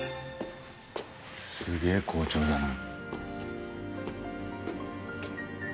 すげえ校長だな。